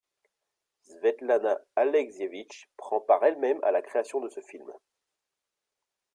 Svetlana Aleksievitch prend part elle-même à la création de ce film.